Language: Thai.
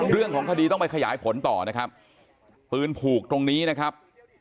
เรื่องของคดีต้องไปขยายผลต่อนะครับปืนผูกตรงนี้นะครับ